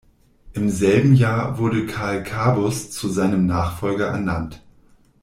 Im selben Jahr wurde Karl Kabus zu seinem Nachfolger ernannt.